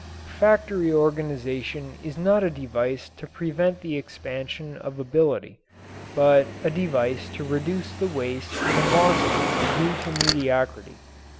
Factory organization is not a device to prevent the expansion of ability, but a device to reduce the waste and losses due to mediocrity.